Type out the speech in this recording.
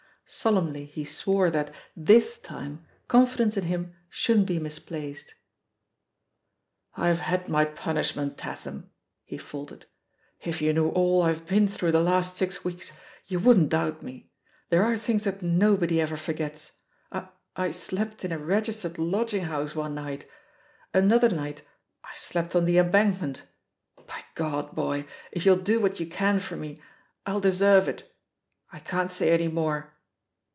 Sol emnly he swore that, this time, confidence in him shouldn't be misplaced. "IVe had my punish ment, Tatham,'' he faltered. "If you knew all I Ve been through the last six weeks you wouldn't doubt me ; there are things that nobody ever for gets. I — I slept in a registered lodging house one night; another night, I slept on the Embank ment. By Gk)d, boy, if you'll do what you can fop me, I'll deserve it; I can't say any more."